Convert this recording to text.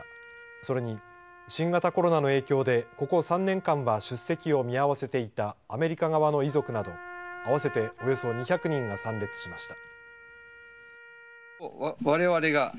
それに新型コロナの影響でここ３年間は出席を見合わせていたアメリカ側の遺族など合わせておよそ２００人が参列しました。